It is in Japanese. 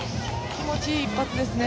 気持ちいい一発ですね。